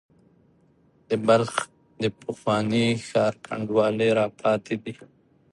د بلخ د پخواني ښار کنډوالې را پاتې دي.